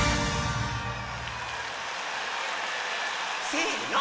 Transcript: せの。